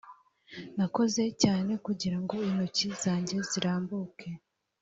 nakoze cyane kugirango intoki zanjye zirambuke